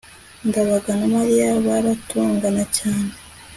ndabaga na mariya baratongana cyane